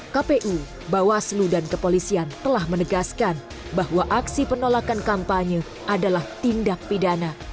kpu bawaslu dan kepolisian telah menegaskan bahwa aksi penolakan kampanye adalah tindak pidana